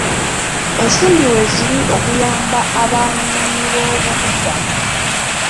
Ensimbi weeziri okuyamba Abanoonyiboobubudamu.